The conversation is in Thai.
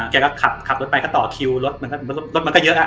แกก็ขับรถไปก็ต่อคิวรถมันก็เยอะอะ